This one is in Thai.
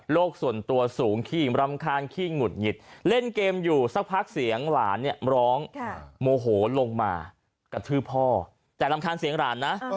ส่วนตัวสูงขี้รำคาญขี้หงุดหงิดเล่นเกมอยู่สักพักเสียงหลานเนี่ยร้องโมโหลงมากระทืบพ่อแต่รำคาญเสียงหลานนะ